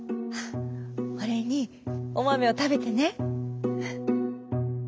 おれいにおまめをたべてね」。